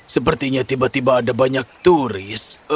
sepertinya tiba tiba ada banyak turis